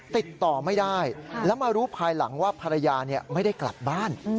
ติดต่อไม่ได้แล้วมารู้ภายหลังว่าภรรยาไม่ได้กลับบ้าน